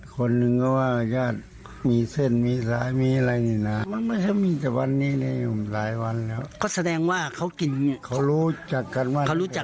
เขียงกันว่าอย่างไรครับ